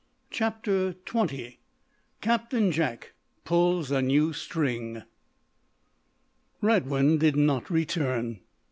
CHAPTER XX CAPTAIN JACK PULLS A NEW STRING Radwin did not return.